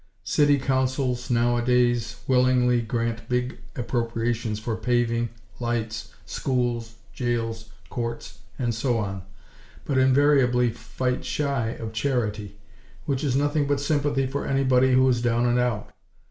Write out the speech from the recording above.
City Councils, now a days, willingly grant big appropriations for paving, lights, schools, jails, courts, and so on; but invariably fight shy of charity; which is nothing but sympathy for anybody who is "down and out."